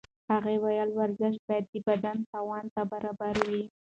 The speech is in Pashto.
هغې وویل ورزش باید د بدن توان ته برابر وي.